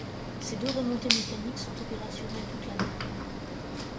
Ces deux remontées mécaniques sont opérationnelles toute l'année.